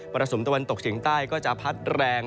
รสุมตะวันตกเฉียงใต้ก็จะพัดแรง